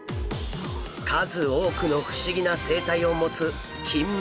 数多くの不思議な生態を持つキンメダイ。